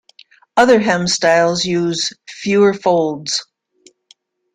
Other hem styles use fewer folds.